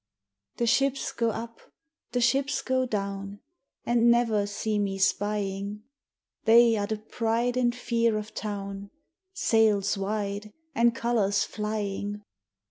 The ships go up, the ships go down, And never see me spying. They are the pride and fear of town Sails wide and colors flying.